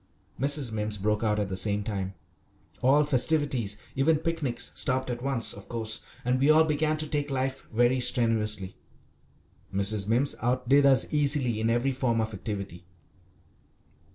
Mrs. Mimms broke out at the same time. All festivities, even picnics, stopped at once, of course, and we all began to take life very strenuously. Mrs. Mimms outdid us easily in every form of activity.